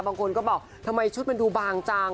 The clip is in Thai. บางคนก็บอกทำไมชุดมันดูบางจัง